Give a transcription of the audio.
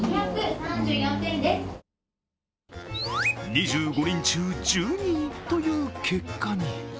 ２５人中、１２位という結果に。